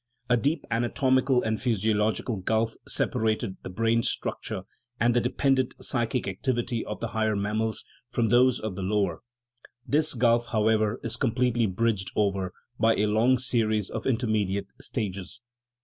A deep anatomical and physiological gulf separated the brain structure and the dependent psychic activity of the higher mammals from those of the lower: this gulf, however, is completely bridged over by a long series of intermediate stages.